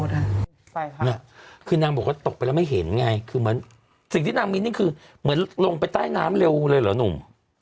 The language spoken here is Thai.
คือนางบอกว่าตกไปแล้วไม่เห็นไงคือเหมือนสิ่งที่นางมีนี่คือเหมือนลงไปใต้น้ำเร็วเลยเหรอหนุ่ม